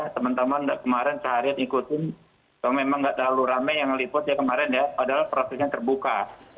teman teman kemarin seharian ikutin kalau memang nggak terlalu rame yang meliput ya kemarin ya padahal prosesnya terbuka